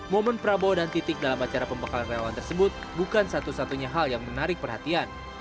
momen prabowo dan titik dalam acara pembekalan relawan tersebut bukan satu satunya hal yang menarik perhatian